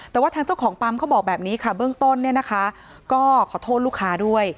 แต่ว่าทางเจ้าของปั๊มเขาบอกแบบนี้ค่ะเบื้องต้นเนี่ยนะคะก็ขอโทษลูกค้าด้วย